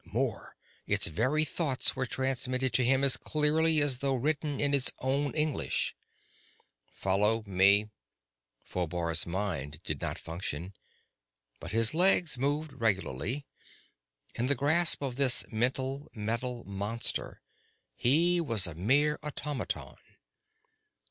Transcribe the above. More, its very thoughts were transmitted to him as clearly as though written in his own English: "Follow me!" Phobar's mind did not function but his legs moved regularly. In the grasp of this mental, metal monster he was a mere automaton.